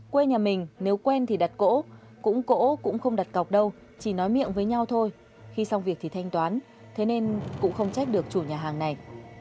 quê nhà mình nếu quen thì đặt cỗ cũng cỗ cũng không đặt cọc đâu chỉ nói miệng với nhau thôi khi xong việc thì thanh toán thế nên cũng không trách được chủ nhà hàng này